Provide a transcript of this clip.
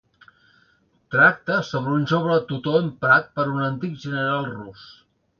Tracta sobre un jove tutor emprat per un antic general rus.